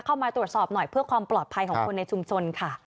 เข้ามาตรวจสอบหน่อยเพื่อความปลอดภัยของคนในชุมชนค่ะ